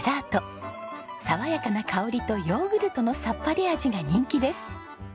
爽やかな香りとヨーグルトのさっぱり味が人気です。